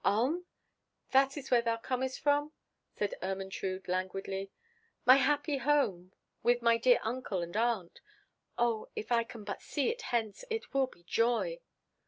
"Ulm? That is where thou comest from?" said Ermentrude languidly. "My happy home, with my dear uncle and aunt! O, if I can but see it hence, it will be joy!"